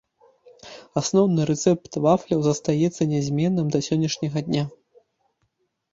Асноўны рэцэпт вафляў застаецца нязменным да сённяшняга дня.